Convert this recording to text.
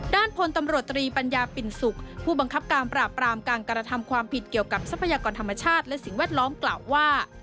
ด้านพลตำรวจตรีปัญญาปิ่นสุขผู้บังคับการปราบปรามการกระทำความผิดเกี่ยวกับทรัพยากรธรรมชาติและสิ่งแวดล้อมกล่าวว่า